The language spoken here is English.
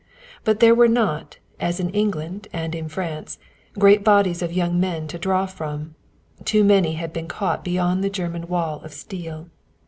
But there were not, as in England and in France, great bodies of young men to draw from. Too many had been caught beyond the German wall of steel.